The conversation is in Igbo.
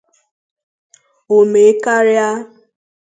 o mee karịa.